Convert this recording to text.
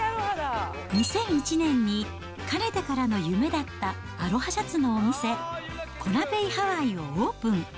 ２００１年にかねてからの夢だったアロハシャツのお店、コナ・ベイ・ハワイをオープン。